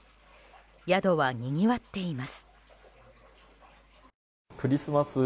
宿はにぎわっています。